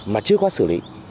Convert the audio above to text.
mà chưa có xử lý